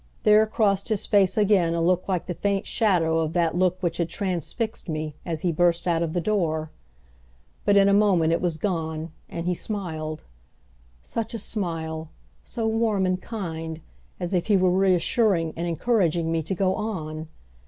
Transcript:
There crossed his face again a look like the faint shadow of that look which had transfixed me, as he burst out of the door. But in a moment it was gone, and he smiled. Such a smile, so warm and kind, as if he were reassuring and encouraging me to go on!